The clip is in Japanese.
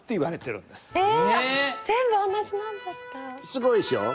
すごいでしょう？